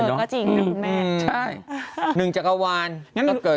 ก็จริงนะคุณแม่ใช่หนึ่งจักรวาลก็เกิด